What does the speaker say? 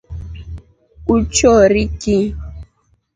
Uchori ki?